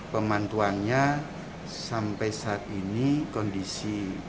pemantuannya sampai saat ini kondisi